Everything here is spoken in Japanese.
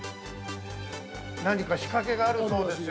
◆何か仕掛けがあるそうですよ。